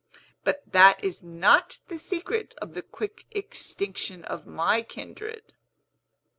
But that is not the secret of the quick extinction of my kindred."